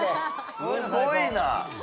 すごいな！